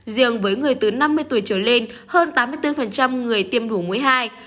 riêng với người từ năm mươi tuổi trở lên hơn tám mươi bốn người tiêm đủ mũi hai